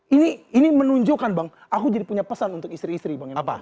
ini ini menunjukkan bang aku jadi punya pesan untuk istri istri bang yang nonton